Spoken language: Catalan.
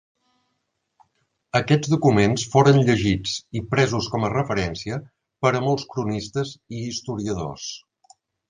Aquests documents foren llegits i presos com a referència per a molts cronistes i historiadors.